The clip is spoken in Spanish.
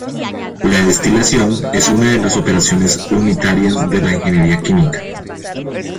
La destilación es una de las operaciones unitarias de la ingeniería química.